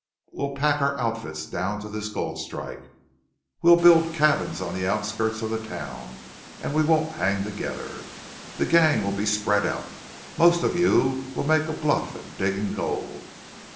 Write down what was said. We'll pack our outfits down to this gold strike. We'll build cabins on the outskirts of the town, and we won't hang together. The gang will be spread out. Most of you must make a bluff at digging gold.